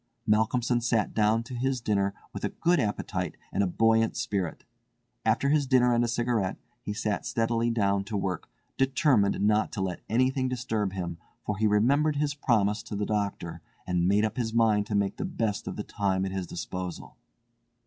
Malcolmson sat down to his dinner with a good appetite and a buoyant spirit. After his dinner and a cigarette he sat steadily down to work, determined not to let anything disturb him, for he remembered his promise to the doctor, and made up his mind to make the best of the time at his disposal.